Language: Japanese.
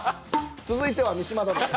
続いては三島殿です。